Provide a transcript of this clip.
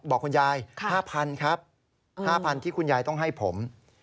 บอกคุณยาย๕๐๐๐ครับ๕๐๐ที่คุณยายต้องให้ผม